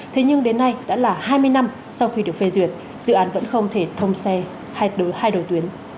thế nhưng đến nay đã là hai mươi năm sau khi được phê duyệt dự án vẫn không thể thông xe hay đối hai đầu tuyến